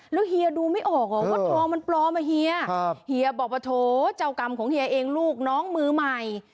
แล้วเฮียดูไม่ออกว่าทองมันปลอมอ่ะเฮียเฮียบอกว่าโถเจ้ากรรมของเฮียเองลูกน้องมือใหม่